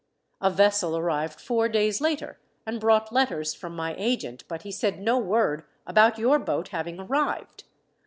A vessel arrived four days later, and brought letters from my agent, but he said no word about your boat having arrived.